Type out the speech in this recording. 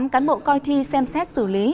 một mươi tám cán bộ coi thi xem xét xử lý